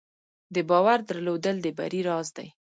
د باور درلودل د بری راز دی.